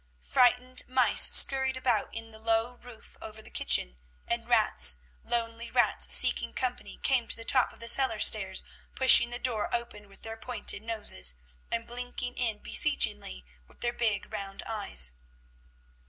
Frightened mice scurried about in the low roof over the kitchen; and rats, lonely rats, seeking company, came to the top of the cellar stairs, pushing the door open with their pointed noses, and blinking in beseechingly with their big round eyes.